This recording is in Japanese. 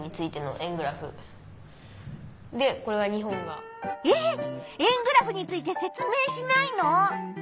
円グラフについて説明しないの？